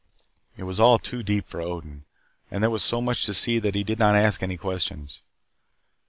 It was all too deep for Odin. And there was so much to see that he did not ask any questions.